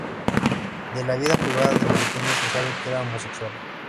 De la vida privada de Martínez se sabe que era homosexual.